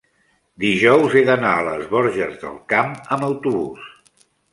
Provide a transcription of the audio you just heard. dijous he d'anar a les Borges del Camp amb autobús.